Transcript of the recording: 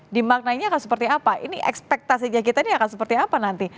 dimaknainya akan seperti apa ini ekspektasinya kita ini akan seperti apa nanti